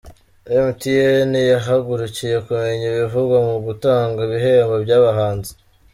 Emutiyene yahagurukiye kumenya ibivugwa mugutanga ibihembo byabahanzi